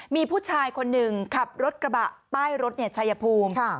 มีผู้ชายคนหนึ่งขับรถกระบะป้ายรถชายภูมิ